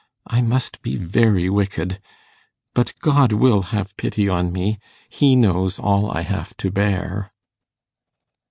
I must be very wicked. But God will have pity on me; He knows all I have to bear.